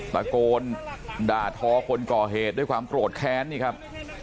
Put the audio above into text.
ตะโกนด่าทอคนก่อเหตุด้วยความโกรธแค้นนี่ครับ